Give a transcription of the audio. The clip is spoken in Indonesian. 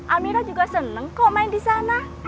amira juga seneng kok main disana